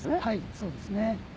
はいそうですね。